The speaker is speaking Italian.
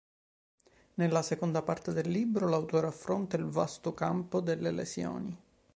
Nella seconda parte del libro l'autore affronta il vasto campo delle lesioni.